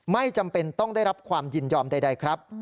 ไม่จำเป็นต้องได้รับความยินยอมใดครับ